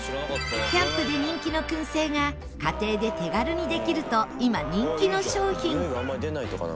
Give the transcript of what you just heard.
キャンプで人気の燻製が家庭で手軽にできると今人気の商品。